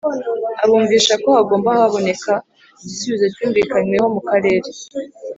abumvisha ko hagomba haboneka igisubizo cyumvikanyweho mu karere,